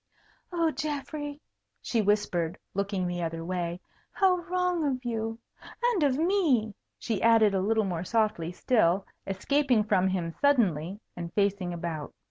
"Oh, Geoffrey!" she whispered, looking the other way, "how wrong of you! And of me!" she added a little more softly still, escaping from him suddenly, and facing about.